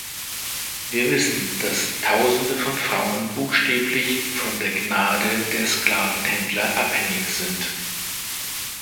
Wir wissen, dass Tausende von Frauen buchstäblich von der Gnade der Sklavenhändler abhängig sind.